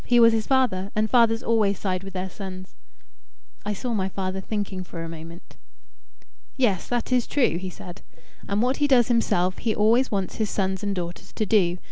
He was his father, and fathers always side with their sons." I saw my father thinking for a moment. "Yes; that is true," he said. "And what he does himself, he always wants his sons and daughters to do.